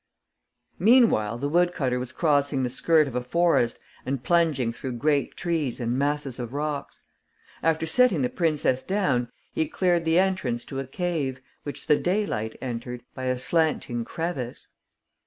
Meanwhile the woodcutter was crossing the skirt of a forest and plunging through great trees and masses of rocks. After setting the princess down, he cleared the entrance to a cave which the daylight entered by a slanting crevice.